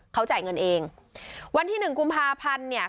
เขาจ่ายเงินเองวันที่หนึ่งกุมภาพันธ์เนี่ย